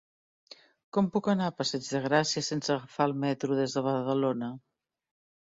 Com puc anar a Passeig de Gràcia sense agafar el metro des de Badalona?